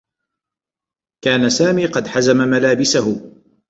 كان سامي قد حزم ملابسه.